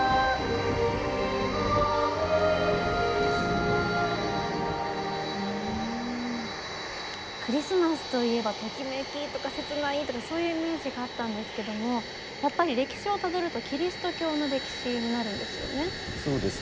うんクリスマスといえばときめきとか切ないとかそういうイメージがあったんですけどもやっぱり歴史をたどるとキリスト教の歴史になるんですよね。